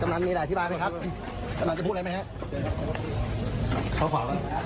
กำนันต์มีอะไรอธิบายไหมครับกำนันต์จะพูดอะไรไหมฮะ